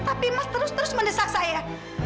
tapi mas terus terus mendesak saya